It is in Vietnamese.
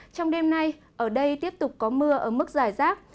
trong đêm nay ở đây tiếp tục có mưa ở mức dài rác